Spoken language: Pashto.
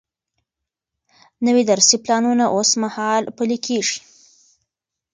نوي درسي پلانونه اوس مهال پلي کیږي.